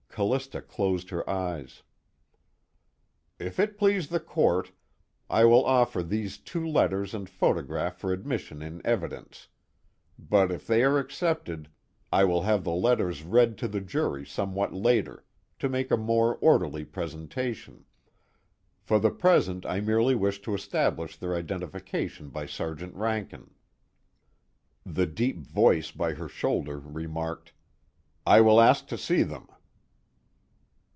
Callista closed her eyes. "If it please the Court, I will offer these two letters and photograph for admission in evidence, but, if they are accepted, I will have the letters read to the jury somewhat later, to make a more orderly presentation. For the present I merely wish to establish their identification by Sergeant Rankin." The deep voice by her shoulder remarked: "I will ask to see them."